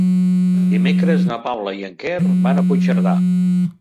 Dimecres na Paula i en Quer van a Puigcerdà.